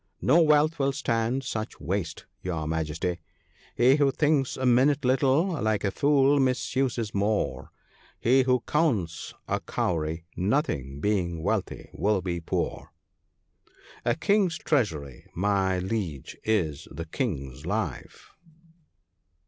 No wealth will stand such waste, your Majesty, —" He who thinks a minute little, like a fool misuses more ; He who counts a cowry ( c0 ) nothing, being wealthy, will be poor." * A king's treasury, my liege, is the king's life.'